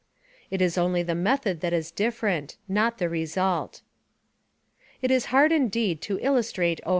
It is only the method that is different, not the result. It is hard indeed to illustrate O.